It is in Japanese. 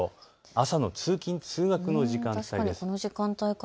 朝の通勤通学の時間帯です。